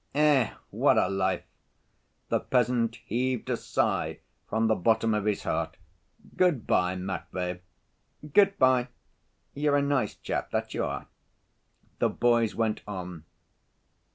"Ech, what a life!" The peasant heaved a sigh from the bottom of his heart. "Good‐by, Matvey." "Good‐by. You are a nice chap, that you are." The boys went on.